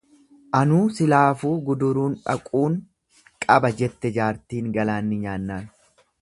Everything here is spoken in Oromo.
Anuu silaafuu guduruun dhaquun qaba jette jaartiin galaanni nyaannaan.